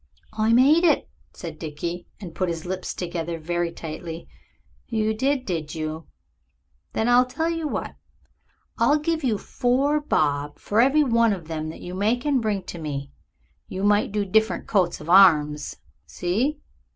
"I made it," said Dickie, and put his lips together very tightly. "You did did you? Then I'll tell you what. I'll give you four bob for every one of them you make and bring to me. You might do different coats of arms see?"